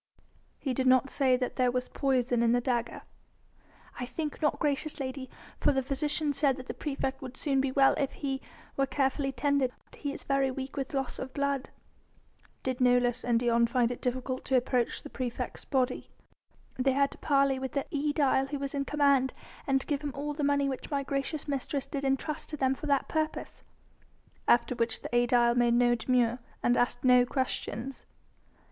"He did not say that there was poison in the dagger?" "I think not, gracious lady; for the physician said that the praefect would soon be well if he were carefully tended. He is very weak with loss of blood." "Did Nolus and Dion find it difficult to approach the praefect's body?" "They had to parley with the aedile who was in command, and to give him all the money which my gracious mistress did entrust to them for that purpose." "After which the aedile made no demur ... and asked no questions?"